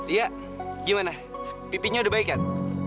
iya gimana pipinya udah baik kan